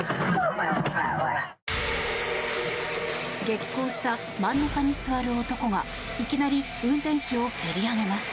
激高した真ん中に座る男がいきなり運転手を蹴り上げます。